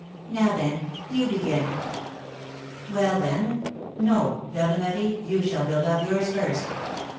Now, then, you begin." "Well, then No! Fleur de Marie, you shall build up yours first."